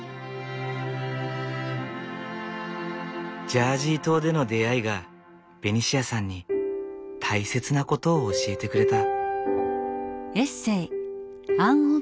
ジャージー島での出会いがベニシアさんに大切なことを教えてくれた。